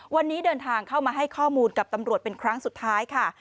วันนี้เดินทางเข้ามาให้ข้อมูลกับตำรวจเป็นครั้งสุดท้ายค่ะ